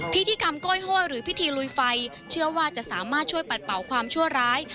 พิธีกรรมก้อยห้อยหรือพิธีลุยไฟเชื่อว่าจะสามารถช่วยปัดเป่าความชั่วร้าย